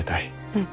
うん。